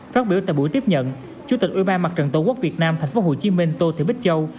phát biểu tại buổi tiếp nhận chủ tịch ubnd tp hcm tô thị bích châu